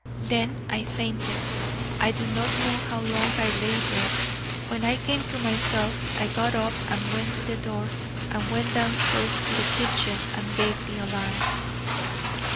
Then I fainted. I do not know how long I lay there. When I came to myself I got up and went to the door, and went downstairs to the kitchen and gave the alarm."